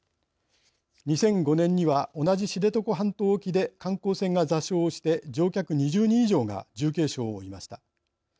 ２００５年には同じ知床半島沖で観光船が座礁して乗客２０人以上が重軽傷を負いました。